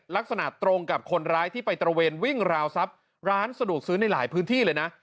ลักษณะตรงกับคนร้ายที่ไปตระเวนวิ่งราวทรัพย์ร้านสะดวกซื้อในหลายพื้นที่เลยนะ